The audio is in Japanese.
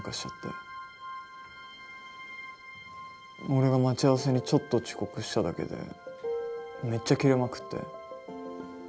俺が待ち合わせにちょっと遅刻しただけでめっちゃキレまくって。